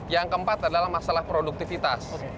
yang keempat adalah masalah produktivitas